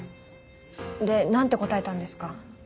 で何て答えたんですか？